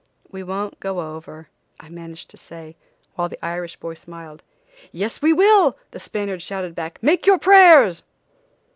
"We won't go over," I managed to say, while the Irish boy smiled. "Yes, we will," the Spaniard shouted back, "Make your prayers!"